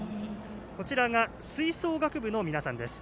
こちらが吹奏楽部の皆さんです。